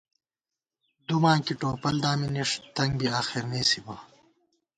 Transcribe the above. دُماں کی ٹوپل دامی نِݭ، تنگ بی آخرنېسِبہ